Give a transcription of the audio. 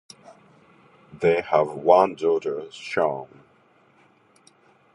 They have one daughter, Shawn.